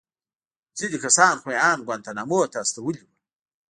ځينې کسان خو يې ان گوانټانامو ته استولي وو.